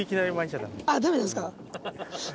あっダメなんですか。